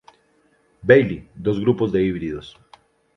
Bailey, dos grupos de híbridos.